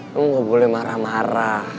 kamu gak boleh marah marah